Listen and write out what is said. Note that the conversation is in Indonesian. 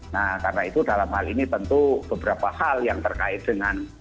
nah karena itu dalam hal ini tentu beberapa hal yang terkait dengan